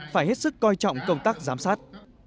phải hết sức coi trọng công tác giám sát